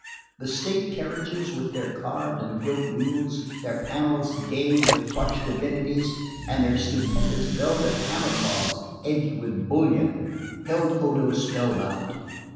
The state carriages, with their carved and gilt wheels, their panels gay with flushed divinities and their stupendous velvet hammer cloths edged with bullion, held Odo spellbound.